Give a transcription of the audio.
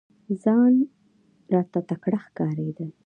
ځان راته تکړه ښکارېدی !